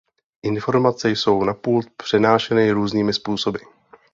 Informace jsou na pult přenášeny různými způsoby.